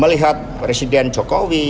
melihat presiden jokowi